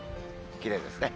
きれいですね。